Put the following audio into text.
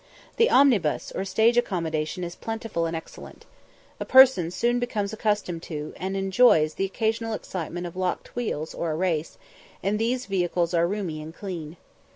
The omnibus or stage accommodation is plentiful and excellent. A person soon becomes accustomed to, and enjoys, the occasional excitement of locked wheels or a race, and these vehicles are roomy and clean.